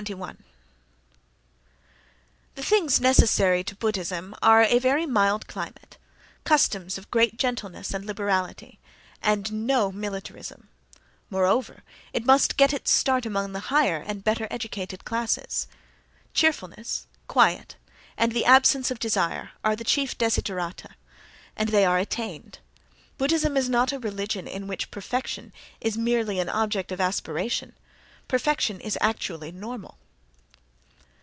The things necessary to Buddhism are a very mild climate, customs of great gentleness and liberality, and no militarism; moreover, it must get its start among the higher and better edu cated classes. Cheerfulness, quiet and the absence of desire are the chief desiderata, and they are attained. Buddhism is not a religion in which perfection is merely an object of aspiration: perfection is actually normal.